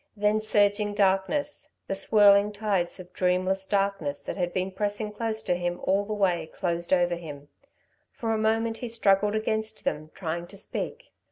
Then surging darkness, the swirling tides of dreamless darkness that had been pressing close to him all the way, closed over him. For a moment he struggled against them, trying to speak.